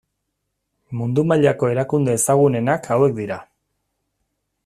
Mundu-mailako erakunde ezagunenak hauek dira.